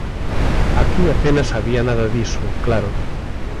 Aquí apenas había nada diso, claro.